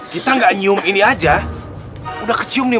kita nggak nyium ini aja udah kecium nih